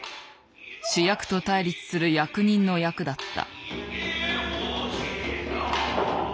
主役と対立する役人の役だった。